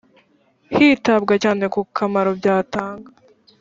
hitabwa cyane ku kamaro byatanga